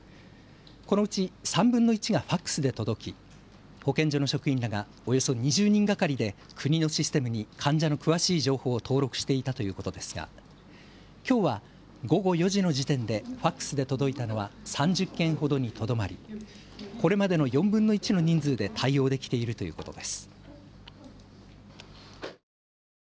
このうち３分の１がファックスで届き保健所の職員らがおよそ２０人がかりで国のシステムに患者の詳しい情報を登録していたということですがきょうは午後４時の時点でファックスで届いたのは３０件ほどにとどまりこれまでの４分の１の人数で対応できているということです。